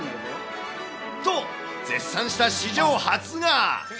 と、絶賛した史上初が。